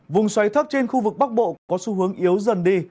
vùng xoáy thấp trên khu vực bắc bộ có xu hướng yếu dần đi